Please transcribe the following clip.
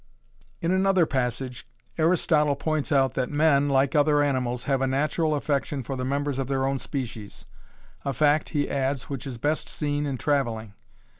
In another passage Aristotle points out that men, like other animals, have a natural affection for the members of their own species, a fact, he adds, which is best seen in travelling.